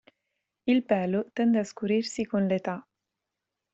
Il pelo tende a scurirsi con l'età.